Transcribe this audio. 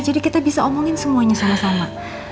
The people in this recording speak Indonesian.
jadi kita bisa omongin semuanya sama sama